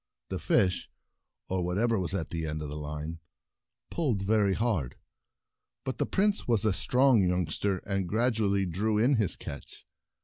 The fish — or whatever was at the end of the line — pulled very hard, but the Prince was a strong youngster, and gradually drew in his catch.